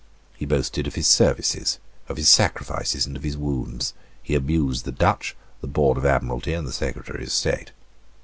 He boasted of his services, of his sacrifices, and of his wounds. He abused the Dutch, the Board of Admiralty, and the Secretary of State.